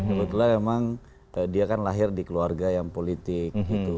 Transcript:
menurut gue memang dia kan lahir di keluarga yang politik gitu